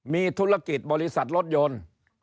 มีธุรกิจบริษัทรถยนต์